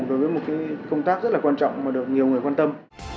đối với một công tác rất là quan trọng mà được nhiều người quan tâm